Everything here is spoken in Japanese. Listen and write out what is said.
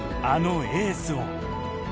あのエースを。